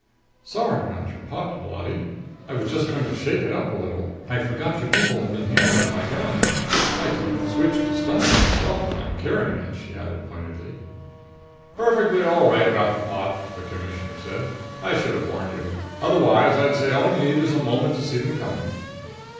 "Sorry about your pot, Holati. I was just going to shake it up a little. I forgot you people had been handling my gun. I keep it switched to stunner myself when I'm carrying it," she added pointedly. "Perfectly all right about the pot," the Commissioner said. "I should have warned you. Otherwise, I'd say all you'd need is a moment to see them coming."